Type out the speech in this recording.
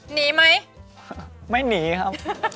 หนีไหมไม่หนีครับ